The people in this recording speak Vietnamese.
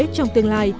trong tương lai